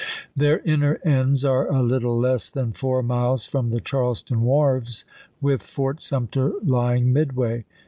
Their inner ends are a little less than four miles from the Charleston wharves, with Fort Sumter lying midway.